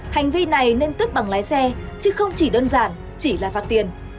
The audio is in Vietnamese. hành vi này nên tước bằng lái xe chứ không chỉ đơn giản chỉ là phạt tiền